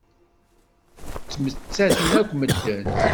Ttmettaten akk medden.